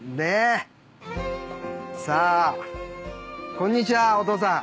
こんにちはお父さん。